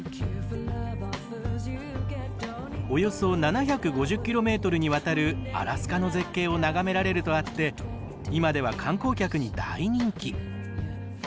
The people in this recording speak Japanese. およそ７５０ｋｍにわたるアラスカの絶景を眺められるとあって今では観光客に大人気。